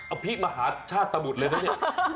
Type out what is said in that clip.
อภิมหาชาติตะบุตรเลยนะเนี่ย